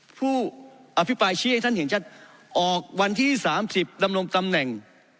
ผู้อภิปรายชี้ให้ท่านเห็นชัดออกวันที่๓๐ดำรงตำแหน่ง